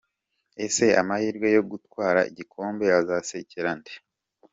Ese amahirwe yo gutwara igikombe azasekera nde?.